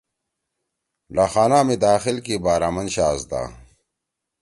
ڈاکخانہ می داخل کی بارامن شاھزدا